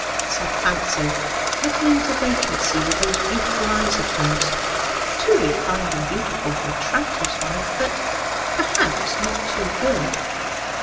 said Fancy, looking into vacancy with those beautiful eyes of hers too refined and beautiful for a tranter's wife; but, perhaps, not too good.